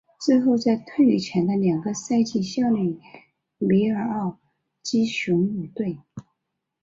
之后在退役前的两个赛季效力于密尔沃基雄鹿队。